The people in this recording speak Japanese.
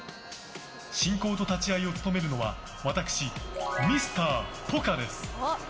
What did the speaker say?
進行と立ち会いを務めるのは私、Ｍｒ．ポカです。